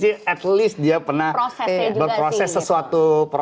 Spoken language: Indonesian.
setidaknya dia pernah berproses sesuatu